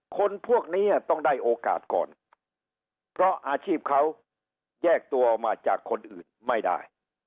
คนพวกนี้ต้องได้โอกาสก่อนเพราะอาชีพเขาแยกตัวออกมาจากคนอื่นไม่ได้